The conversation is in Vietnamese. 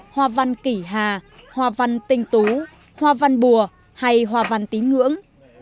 hoa văn kỷ hà hoa văn tinh tú hoa văn bùa hay hoa văn tín ngưỡng